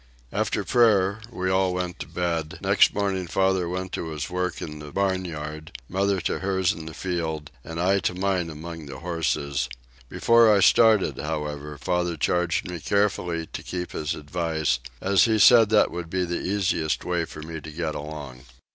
After prayer we all went to bed; next morning father went to his work in the barn yard, mother to hers in the field, and I to mine among the horses; before I started, however, father charged me carefully to keep his advice, as he said that would be the easiest way for me to get along.